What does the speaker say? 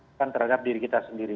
bukan terhadap diri kita sendiri